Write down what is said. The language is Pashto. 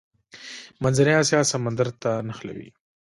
منځنۍ اسیا سمندر ته نښلوي.